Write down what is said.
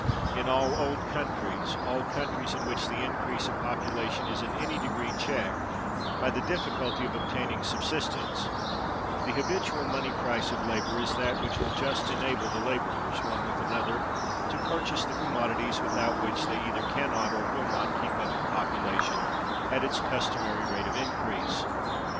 In all old countries—all countries in which the increase of population is in any degree checked by the difficulty of obtaining subsistence—the habitual money price of labor is that which will just enable the laborers, one with another, to purchase the commodities without which they either can not or will not keep up the population at its customary rate of increase.